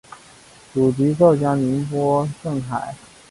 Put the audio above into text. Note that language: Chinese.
祖籍浙江宁波镇海。